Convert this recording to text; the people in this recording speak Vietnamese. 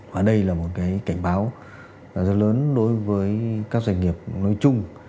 và đây là một cái cảnh báo rất lớn đối với các doanh nghiệp nói chung